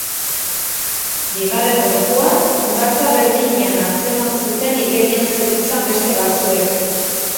Bigarren gorpua, hondartza berdinean atzeman zuten igerian zebiltzan beste batzuek.